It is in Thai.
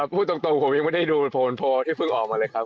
พูดตรงผมยังไม่ได้ดูโพลที่เพิ่งออกมาเลยครับ